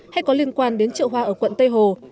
hay có liên quan đến chậu hòa ở quận tây hồ